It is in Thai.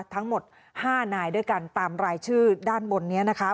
ทั้งหมด๕นายด้วยกันตามรายชื่อด้านบนนี้นะคะ